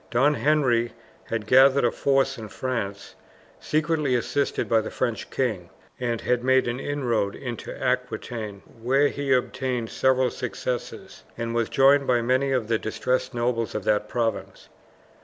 Don Henry had gathered a force in France, secretly assisted by the French king, and had made an inroad into Aquitaine, where he obtained several successes, and was joined by many of the disinterested nobles of that province.